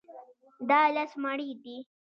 دا لس مڼې دي.